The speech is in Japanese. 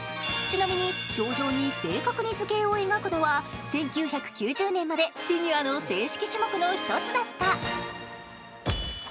ちなみに氷上に正確に図形を描くのは１９９０年までフィギュアの正式種目の一つだった。